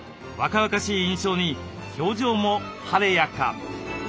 若々しい印象に表情も晴れやか！